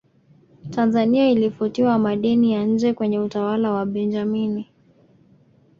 tanzania ilifutiwa madeni ya nje kwenye utawala wa benjamini